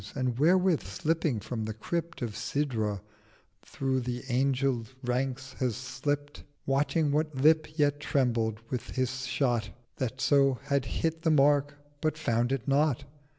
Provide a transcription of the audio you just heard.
'—And therewith slipping from the Crypt Of Sidra, through the Angel ranks he slipt Watching what Lip yet trembled with the Shot That so had hit the Mark—but found it not.